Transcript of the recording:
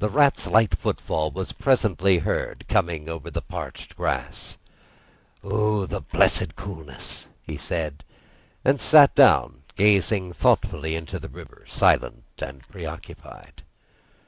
The Rat's light footfall was presently heard approaching over the parched grass. "O, the blessed coolness!" he said, and sat down, gazing thoughtfully into the river, silent and pre occupied.